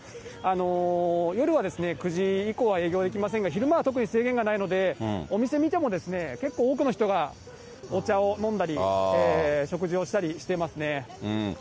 人数制限は４人までとあるんですけれども、夜は９時以降は営業できませんが、昼間は特に制限がないので、お店を見ても、結構多くの人がお茶を飲んだり、食事をしたりしてますね。